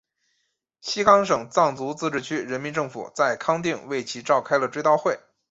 西康省藏族自治区人民政府在康定为其召开了追悼会。